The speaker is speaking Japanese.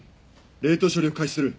冷凍処理を開始する。